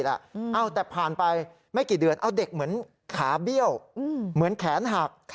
แต่ผ่านไปไม่กี่เดือนเอาเด็กเหมือนขาเบี้ยวเหมือนแขนหัก